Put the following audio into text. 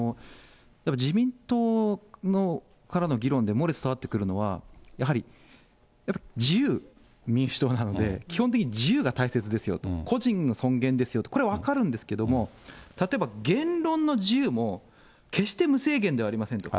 自民党からの議論で、漏れ伝わってくるのは、やはり、自由民主党なので、基本的に自由が大切ですよと、個人の尊厳ですよと、これは分かるんですけれども、例えば言論の自由も、決して無制限ではありませんと。